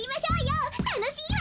たのしいわよ。